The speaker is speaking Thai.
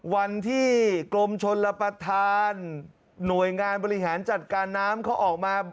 วันที่กรมชนรับประทานหน่วยงานบริหารจัดการน้ำเขาออกมา